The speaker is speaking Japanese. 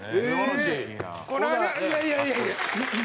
このいやいやいやいや。